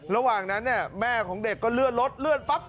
ระหว่างนั้นเนี่ยแม่ของเด็กก็เลื่อนรถเลื่อนปั๊บ